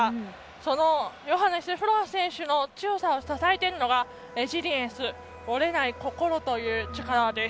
そのヨハネス・フロアス選手の強さを支えているのがレジリエンス折れない心という力です。